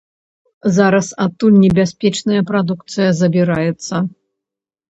Зараз адтуль небяспечная прадукцыя забіраецца.